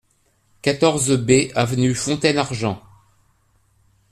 quatorze B avenue Fontaine-Argent